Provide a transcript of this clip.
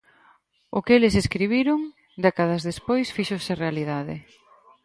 O que eles escribiron, décadas despois fíxose realidade.